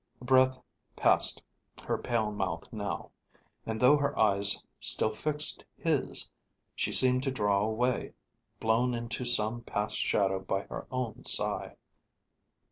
A breath passed her pale mouth now, and though her eyes still fixed his, she seemed to draw away, blown into some past shadow by her own sigh.